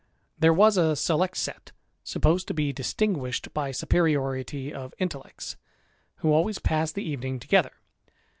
There was a select set, supposed to be distinguished by superiority of intellects, who always passed the evening together.